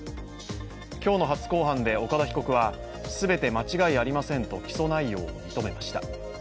今日の初公判で岡田被告は全て間違いありませんと起訴内容を認めました。